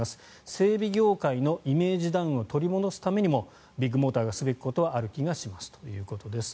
整備業界のイメージダウンを取り戻すためにもビッグモーターがすべきことはある気がしますということです。